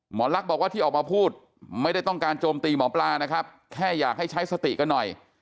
ลักษ์บอกว่าที่ออกมาพูดไม่ได้ต้องการโจมตีหมอปลานะครับแค่อยากให้ใช้สติกันหน่อย